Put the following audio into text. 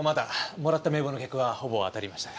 もらった名簿の客はほぼ当たりましたが。